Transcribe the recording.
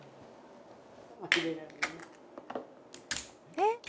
「えっ？」